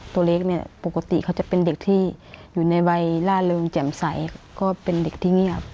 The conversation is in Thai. ตัวเล็กเนี่ยปกติเขาจะเป็นเด็กที่อยู่ในวัยล่าเริงแจ่มใสก็เป็นเด็กที่เงียบ